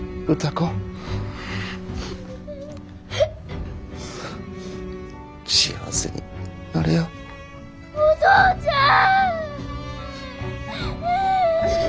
お父ちゃん。